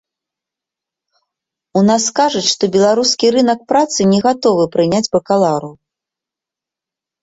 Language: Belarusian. У нас кажуць, што беларускі рынак працы не гатовы прыняць бакалаўраў.